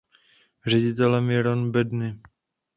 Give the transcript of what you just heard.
Ředitelem je Ron Bedny.